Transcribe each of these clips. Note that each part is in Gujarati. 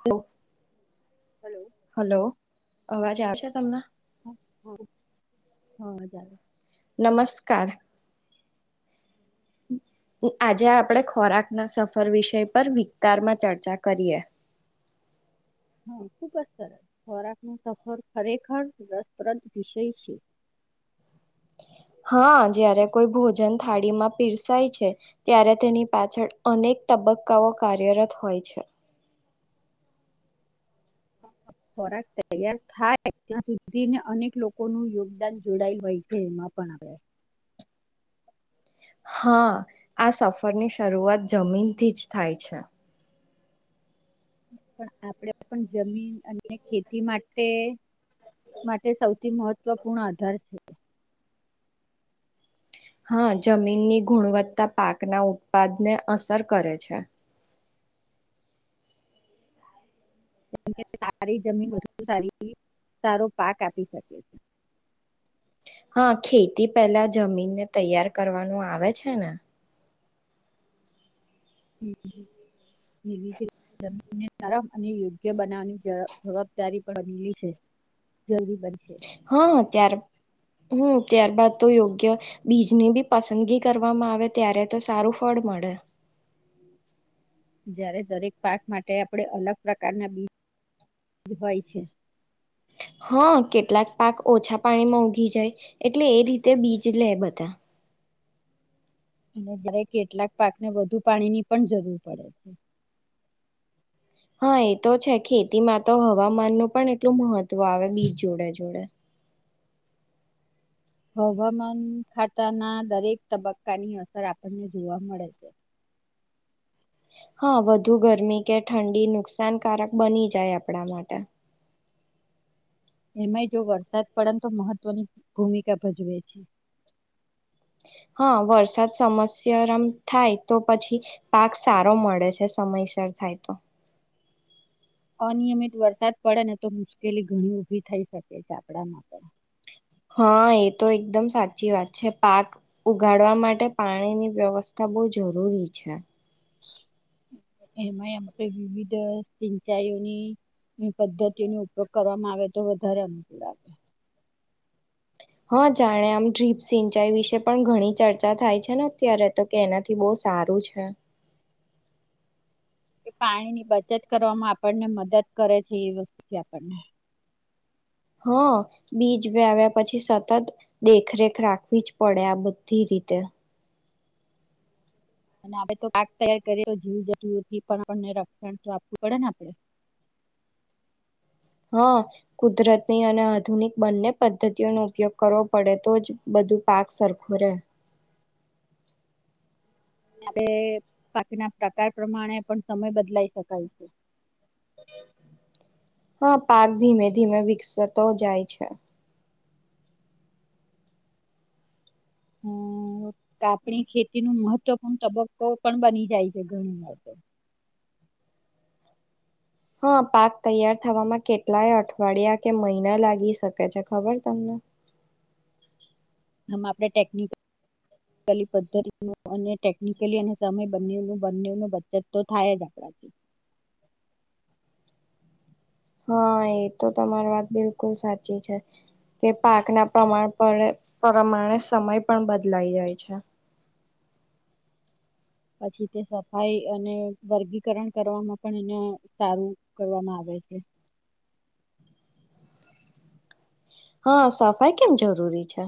હ [unintelligible] હલો. હલો. અવાજ આવશે તમને? [inaudible] નમસ્કાર. આજે આપણેે ખોરાકના સફર વિષય પર વિસ્તારમાં ચર્ચા કરીએ. હા ખુબ જ સરસ ખોરાક ન સફર ખરેખર રસપ્રદ વિષય છે. હા જ્યારે કોઈ ભોજન થાળીમાં પીરસાય છે ત્યારે તેની પાછળ અનેક તબક્કાઓ કાર્યરત હોય છે. ખોરાક તૈયાર થાય ત્યાં સુધીને અનેક લોકોનું યોગદાન જોડાય હોય છે એમાં પણ હ હા આ સફરની શરૂઆત જમીનથી જ થાય છે. પણ આપણે પણ જમીન અને ખેતી માટે માટે સૌથી મહત્વપૂર્ણ આધાર છે. હા જમીનની ગુણવત્તા પાકના ઉત્પાદને અસર કરે છે. જેમ કે સારી જમીન વસ્તુ સારી સારો પાક આપી શકે છે. હા ખેતી પહેલા જમીનને તૈયાર કરવાનું આવે છે ને? હમ. [unintelligible] અને યોગ્ય બનાવવાની જવાબદારી પણ અલી છે. જરૂરી બનશે. હા ત્યાર હમ. ત્યારબાદ તો યોગ્ય બીજની બી પસંદગી કરવામાં આવે ત્યારે તો સારું ફળ મળે. જારે દરેક પાક માટે આપણે અલગ પ્રકારના બીજ હોય છે. હા કેટલાક પાક ઓછા પાણીમાં ઊગી જાય એટલે એ રીતે બીજ લે બધા. અને કેટલાક પાકને વધુ પાણીની પણ જરૂર પડે છે. હા એ તો છે ખેતીમાં તો હવામાન ન પણ એટલું મહત્વ આવે બીજ જોડે જોડે. હવામાન ખાતાના દરેક તબક્કાની અસર આપણને જોવા મળે છે. હા વધુ ગરમી કે ઠંડી નુકસાનકારક બની જાય આપણા માટે. એમાંય જો વરસાદ પડે તો મહત્વની ભૂમિકા ભજવે છે. હા વરસાદ સમસરમ થાય તો પછી પાક સારો મળે છે સમયસર થાય તો. અનિયમિત વરસાદ પડે ને તો મુશ્કેલી ઘણી ઊભી થઈ શકે છે આપ આપડામાં પણ હા એ તો એકદમ સાચી વાત છે પાક ઉગાડવા માટે પાણીની વ્યવસ્થા બહુ જરૂરી છે. એમાંમ મેં વિવિધ સિંચાઈઓની પદ્ધતિઓનો ઉપયોગ કરવામાં આવે તો વધારે અનુકૂળ આવે. હા જાણે આમ ડ્રીપ સિંચાઈ વિશે પણ ઘણી ચર્ચા થાય છે ને અત્યારે તો કે એનાથી બહુ સારું છે. એ પાણીની બચત કરવામાં આપણને મદદ કરે છે. એ વસ્તુથી આપણને હા બીજ વ્યાવ્યા પછી સતત દેખરેખ રાખવી જ પડે આ બધી રીતે. અને આપણે તો પાક તૈયાર કરીએ જીવ જતુંથી પણ આપને રક્ષણ તો આપવું પડેને આપડે. હા કુદરતની અને આધુનિક બંને પદ્ધતિઓનો ઉપયોગ કરવો પડે તો જ બધું પાક સરખો રહેે. આપણે બાકીના પ્રકાર પ્રમાણે પણ સમય બદલાય શકાય છે. હા પાક ધીમે ધીમે વિકસતો જાય છે. હમ્મ કાપણી ખેતી ન મહત્વપૂર્ણ તબક્કો પણ બની જાય છે. ઘણી વાર તો. હા પાક તૈયાર થવામાં કેટલાય અઠવાડિયા કે મહિના લાગી શકે છે. ખબર તમને. આમાં આપણે ટેક નિકેલી પદ્ધતિ નુ અને ટેકનિકલી અને સમય બંને નો બચત તો થાય જ આપણાથી. હા એ તો તમારી વાત બિલકુલ સાચી છે. કે પાકના પ્રમાણ પ્રમાણે સમય પણ બદલાઈ જાય છે. પછી તે સફાઈ અને વર્ગીકરણ કરવામાં પણ એને સારું કરવામાં આવે છે. હા સફાઈ કેમ જરૂરી છે?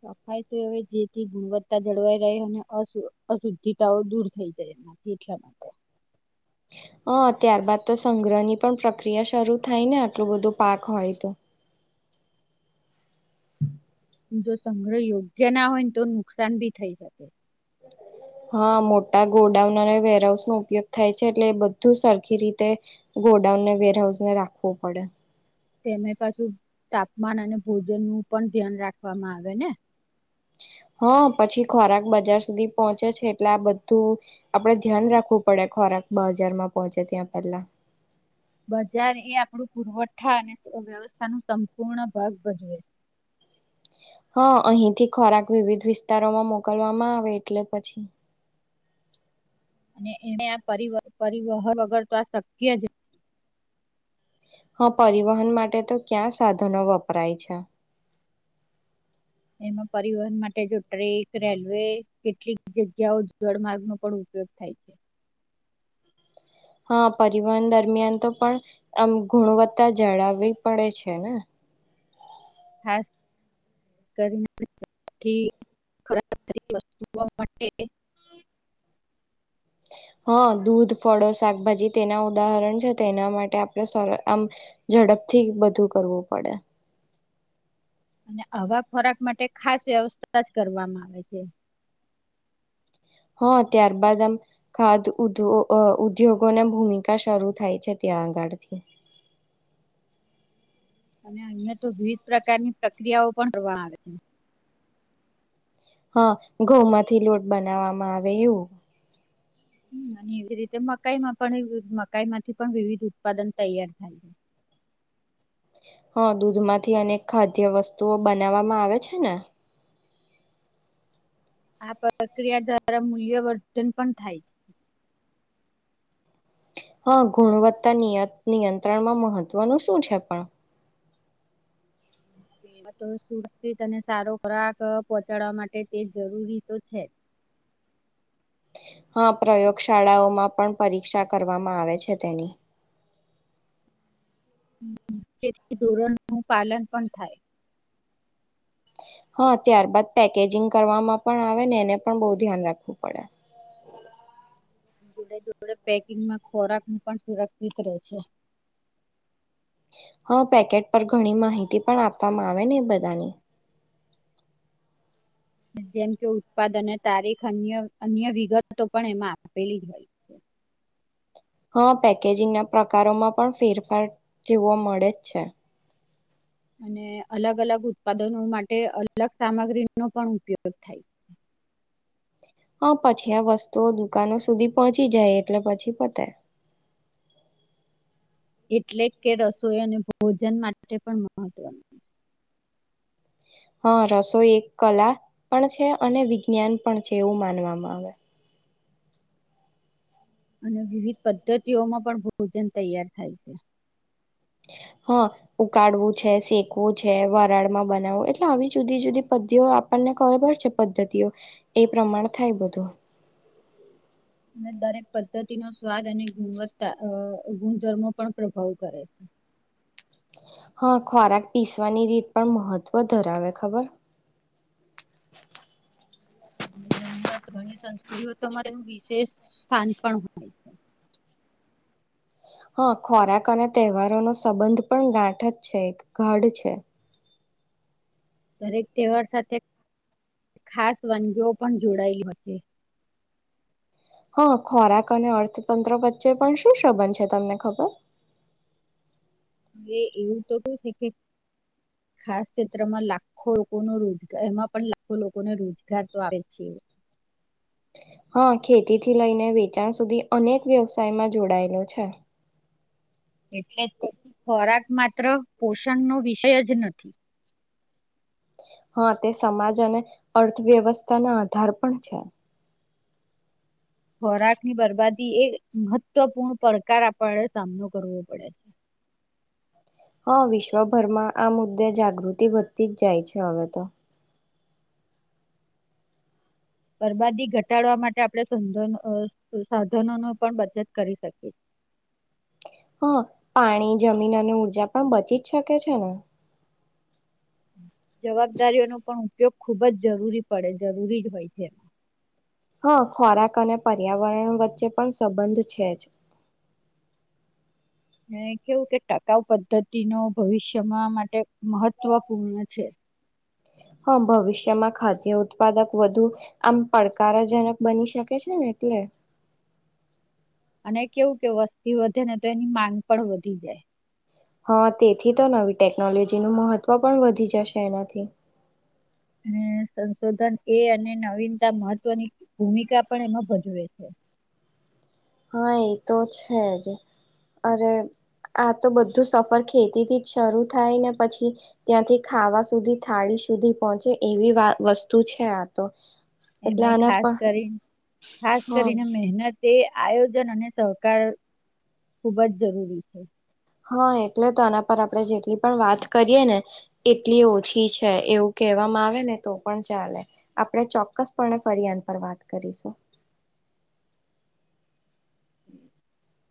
સફાઈ તો એ જેથી ગુણવત્તા જળવાઈ રહે અને અશુદ્ધિતાઓ દૂર થઈ જાય એમાંથી એટલા માટે. હ ત્યારબાદ તો સંગ્રહની પણ પ્રક્રિયા શરૂ થાય ને આટલું બધું પાક હોય તો. જો સંગ્રહ યોગ્ય ના હોય ને તો નુકસાન ભી થઈ શકે. હા મોટા ગોડાઉન અને વેરહાઉસનો ઉપયોગ થાય છે એટલે એ બધું સરખી રીતે ગોડાઉનને વેરહાઉસ ને રાખવો પડે. તેમે પાછું તાપમાન અને ભોજન નું પણ ધ્યાન રાખવામાં આવે ને. હા પછી ખોરાક બજાર સુધી પહોંચે છે. એટલે આ બધું આપડે ધ્યાન રાખવું પડે ખોરાક બજારમાં પહોંચે ત્યાં પહેલા. બજાર એ આપડું પુરવઠ ઠં અને વ્યવસ્થા નું સંપૂર્ણ ભાગ ભજવે. હા અહીંથી ખોરાક વિવિધ વિસ્તારોમાં મોકલવામાં આવે એટલે પછી. અને એને આ પર પરિવહન વગર તો આ શક્ય જ હા પરિવહન માટે તો ક્યાં સાધનો વપરાય છે. એમાં પરિવહન માટે જો ટ્રેક, રેલવે કેટલીક જગ્યાઓ જળ માર્ગનો પણ ઉપયોગ થાય છે. હા પરિવહન દરમિયાન તો પણ આમ ગુણવત્તા જળાવવી પડે છે ને. ખાસ [unintelligible] વસ્તુઓ માટે. હા દૂધ ફળો શાકભાજી તેના ઉદાહરણ છે. તેના માટે આપણે સર આમ ઝડપથી બધું કરવું પડે. અને આવા ખોરાક માટે ખાસ વ્યવસ્થા જ કરવામાં આવે છે. હા ત્યારબાદ આમ ખાદ ઉદ ઉદ્યોગોની ભૂમિકા શરૂ થાય છે. ત્યાં આગળથી. અને અહીંયા તો વિવિધ પ્રકારની પ્રક્રિયાઓ પણ કરવાના છે. હા ઘઉંમાંથી લોટ બનાવવામાં આવે એવું. હ અને એવી રીતે મકાઈમાં પણ મકાઈ માંથી પણ વિવિધ ઉત્પાદન તૈયાર થાય છે. હા દૂધમાંથી અનેક ખાદ્ય વસ્તુઓ બનાવવામાં આવે છે ને. આ પ્રક્રિયા દ્વારા મૂલ્યવર્ધન પણ થાય છે. હા ગુણવત્તા નીય નિયંત્રણમાં મહત્વનું શું છે પણ? તો સુરક્ષિત અને સારો ખોરાક પહોંચાડવા માટે તે જરૂરી તો છે. હા પ્રયોગશાળાઓમાં પણ પરીક્ષા કરવામાં આવે છે તેની. જેથી ધોરણનું પાલન પણ થાય. હા ત્યારબાદ પેકેજિંગ કરવામાં પણ આવે ને એને પણ બો ધ્યાન રાખવું પડે. જોડે જોડે પેકિંગમાં ખોરાક પણ સુરક્ષિત રહેે છે. હા પેકેટ પર ઘણી માહિતી પણ આપવામાં આવે ને એ બધાની. જેમ કે ઉત્પાદ અને તારીખ અન અન્ય વિગતો પણ એમાં આપેલી હોય છે. હા પેકેજિંગના પ્રકારોમાં પણ ફેરફાર જોવા મળે જ છે. અને અલગ અલગ ઉત્પાદનો માટે અલગ સામગ્રીનો પણ ઉપયોગ થાય. હા પછી આ વસ્તુઓ દુકાનો સુધી પહોંચી જાય એટલે પછી પતે. એટલે કે રસોઈ અને ભોજન માટે પણ મહત્વનું. હા રસોઈ એક કલા પણ છે, અને વિજ્ઞાન પણ છે, એવું માનવામાં આવે. અને વિવિધ પદ્ધતિઓમાં પણ ભોજન તૈયાર થાય છે હા ઉકાળવું છે શેકવું છે વરાળમાં બનાવવું એટલે આવી જુદી જુદી પદ્ધીઓ આપણને ખબર છે પદ્ધતિઓ એ પ્રમાણે થાય બધું દરેક પદ્ધતિ નો સ્વાદ અને ગુણવત્તા ગુણધર્મો પણ પ્રભાવ કરે છે હા ખોરાક પીસવાની રીત પણ મહત્વ ધરાવે ખબર ઘણી વાર ઘણી સંસ્કૃતિઓ તોરે વિશેષ સ્થાન પણ હોય છે હા ખોરાક અને તહેવારોનો સંબંધ પણ ગાંઠક જ છે એક ગઢ છે દરેક તહેવાર સાથે ખાસ વાનગીઓ પણ જોડાયેલ હતી હા ખોરાક અને અર્થતંત્ર વચ્ચે પણ શું સંબંધ છે તમને ખબર હવે એવું તો કેું છે કે ખાસ ક્ષેત્રમાં લાખો લોકો ન રોજગાર એમાં પણ લાખો લોકોને રોજગાર તો આપ છે હા ખેતી થી લઈને વેચાણ સુધી અનેક વ્યવસાયમાં જોડાયેલો છે એટલે તેથી ખોરાક માત્ર પોષણનો વિષય જ નથી હા તે સમાજ અને અર્થવ્યવસ્થાના આધાર પણ છે ખોરાકની બરબાદી એ મહત્વપૂર્ણ પડકાર આપણે સામનો કરવો પડે છે હા વિશ્વભરમાં આ મુદ્દે જાગૃતિ વધતી જ જાય છે હવે તો બરબાદી ઘટાડવા માટે આપણે સાધનો સાધનોનો પણ બચત કરી શકી હા પાણી જમીન અને ઉઊર્જા પણ બચી જ શકે છે ને [inaudible] જવાબદારીઓ નો પણ ઉપયોગ ખુબ જ જરૂરી પડે જરૂરી જ હોય છે એમ હા ખોરાક અને પર્યાવરણ વચ્ચે પણ સંબંધ છે જ મે કેવું કે ટકાઉ પદ્ધતિનો ભવિષ્યમાં માટે મહત્વપૂર્ણ છે હા ભવિષ્યમાં ખાદ્ય ઉત્પાદક વધુ આમ પડકારજનક બની શકે છે ને એટલે અને કેવું કે વસ્તી વધે ને તો એની માંગ પણ વધી જાય હા તેથી તો નવી ટેકનોલોજીનું મહત્ત્વ પણ વધી જશે એનાથી એ સંશોધન એ અને નવીનતા મહત્વની ભૂમિકા પણ એમાં ભજવે છે હા એ તો છે જ અરે આ તો બધું સફર ખેતીથી જ શરૂ થાય ને પછી ત્યાંથી ખાવા સુધી થાળી સુધી પહોંચે એવી વસ્તુ છે આ તો એટલે એમાં આના ખાસ પર કરીને ખાસ હા કરીને મહેનતે આયોજન અને સહકાર ખુબ જ જરૂરી છે હા એટલે તો આના પર આપણે જેટલી પણ વાત કરીયએ ને એટલી ઓછી છે એવું કહેવામાં આવે ને તો પણ ચાલે આપણે ચોક્કસપણે ફરી આન પર વાત કરીશું [inaudible]